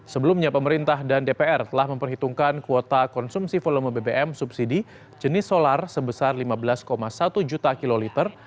sebelumnya pemerintah dan dpr telah memperhitungkan kuota konsumsi volume bbm subsidi jenis solar sebesar lima belas satu juta kiloliter